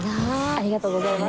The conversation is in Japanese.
ありがとうございます。